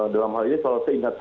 dalam hal ini kalau saya ingat